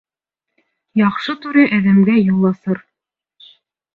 Яҡшы түрә әҙәмгә юл асыр